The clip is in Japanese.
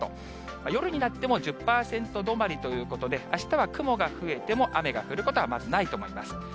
夜になっても１０％止まりということで、あしたは雲が増えても雨が降ることはまずないと思います。